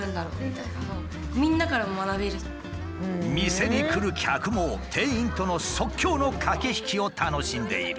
店に来る客も店員との即興の駆け引きを楽しんでいる。